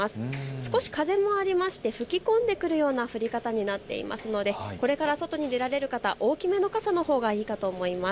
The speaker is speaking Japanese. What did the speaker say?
少し風もありまして吹き込んでくるような降り方になっていますので、これから外に出られる方、大きめの傘のほうがいいかと思います。